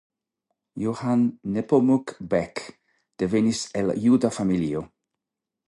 Johann Nepomuk Beck devenis el juda familio.